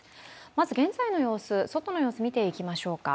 まず現在の外の様子を見ていきましょうか。